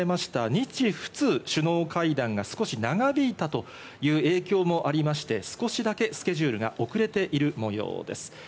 日仏首脳会談が少し長引いたという影響もありまして、少しだけスケジュールが遅れている模様です。